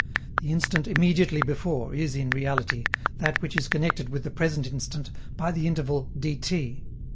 The instant "immediately before" is, in reality, that which is connected with the present instant by the interval dt.